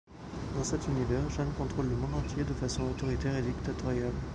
Dans cet univers, Jeanne contrôle le monde entier de façon autoritaire et dictatoriale.